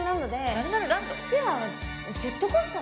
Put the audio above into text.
あっちはジェットコースター。